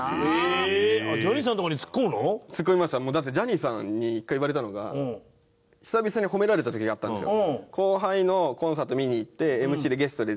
だってジャニーさんに一回言われたのが久々に褒められた時があったんですよ。